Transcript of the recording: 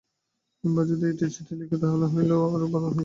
কিম্বা যদি একটা চিঠি লেখে, তাহা হইলে আরো ভালো হয়।